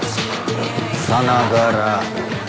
さながら。